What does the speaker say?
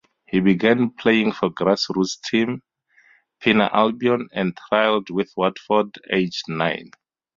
He began playing for grassroots team Pinner Albion and trialled with Watford aged nine.